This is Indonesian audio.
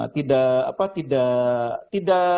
tidak apa tidak tidak